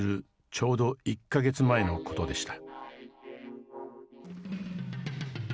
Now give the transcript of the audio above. ちょうど１か月前のことでした。